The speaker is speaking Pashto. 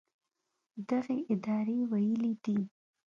دغې ادارې ویلي دي